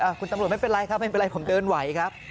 คุณตำรวจไม่เป็นไรครับไม่เป็นไรผมเดินไหวครับ